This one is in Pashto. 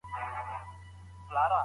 دولت باید د مالیاتو کچه متوازنه کړي.